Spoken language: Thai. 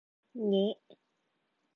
เงะ